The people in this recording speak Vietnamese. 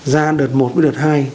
ra đợt một với đợt hai